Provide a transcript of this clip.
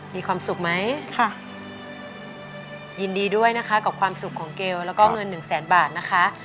มีความสุขไหมค่ะยินดีด้วยนะคะกับความสุขของเกลแล้วก็เงินหนึ่งแสนบาทนะคะ